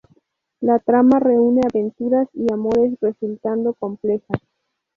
La trama reúne aventuras y amores, resultando compleja.